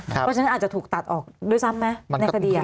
เพราะฉะนั้นอาจจะถูกตัดออกด้วยซ้ำไหมในคดี